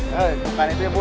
bukan itu bu